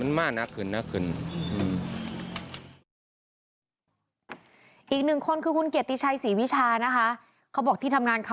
ตรงกลางระหว่างทหารอิสราเอลกับกลุ่มฮามาสค่ะ